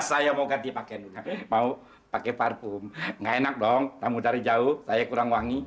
saya mau ganti pakaian mau pakai parfum nggak enak dong tamu dari jauh saya kurang wangi